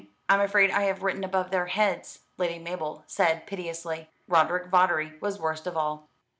"I'm afraid I have written above their heads," Lady Mabel said piteously. Roderick Vawdrey was worst of all.